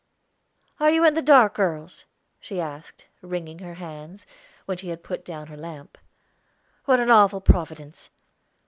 "Are you in the dark, girls?" she asked, wringing her hands, when she had put down her lamp. "What an awful Providence!"